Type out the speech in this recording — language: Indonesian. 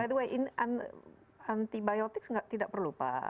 by the way anti biotik tidak perlu pak